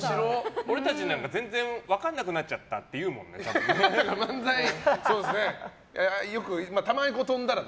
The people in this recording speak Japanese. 俺たちなんか全然分からなくなっちゃったってたまに飛んだらね。